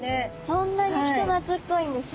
そんなに人懐っこいんですね。